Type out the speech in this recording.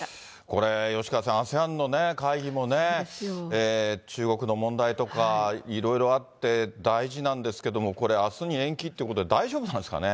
これ、吉川さん、ＡＳＥＡＮの会議もね、中国の問題とかいろいろあって、大事なんですけど、これ、あすに延期っていうことで大丈夫なんですかね？